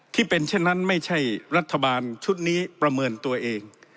เช่นนั้นไม่ใช่รัฐบาลชุดนี้ประเมินตัวเอง